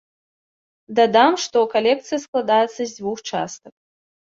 Дадам, што калекцыя складаецца з дзвюх частак.